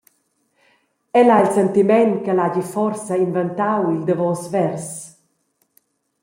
El ha il sentiment ch’el hagi forsa inventau il davos vers.